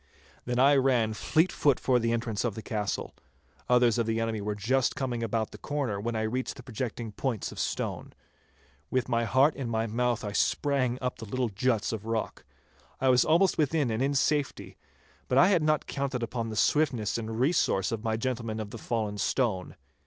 Then I ran fleet foot for the entrance of the castle. Others of the enemy were just coming about the corner when I reached the projecting points of stone. With my heart in my mouth I sprang up the little juts of rock. I was almost within and in safety, but I had not counted upon the swiftness and resource of my gentleman of the fallen stone.